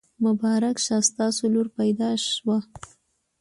مبارک شه! ستاسو لور پیدا شوي.